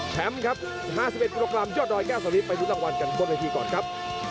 แชมป์ครับ๕๑กุโลกรัมยอดรอย๙ส่วนนี้ไปรุนรางวัลกันบนวันที่ก่อนครับ